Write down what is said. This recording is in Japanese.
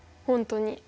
本当に。